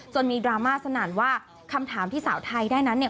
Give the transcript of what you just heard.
มีดราม่าสนั่นว่าคำถามที่สาวไทยได้นั้นเนี่ย